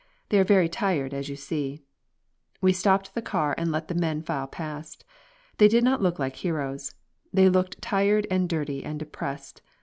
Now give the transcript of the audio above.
"They are very tired, as you see." We stopped the car and let the men file past. They did not look like heroes; they looked tired and dirty and depressed.